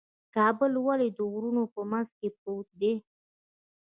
کابل ولې د غرونو په منځ کې پروت دی؟